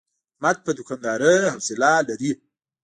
احمد په دوکاندارۍ حوصله لري.